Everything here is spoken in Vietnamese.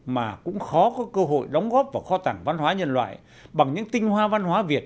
mà cũng khó có cơ hội đóng góp vào kho tảng văn hóa nhân loại bằng những tinh hoa văn hóa việt